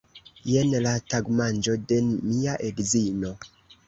Jen la tagmanĝo de mia edzino